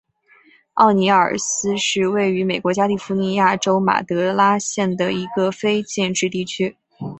奥尼尔斯是位于美国加利福尼亚州马德拉县的一个非建制地区。